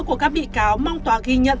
của các bị cáo mong tòa ghi nhận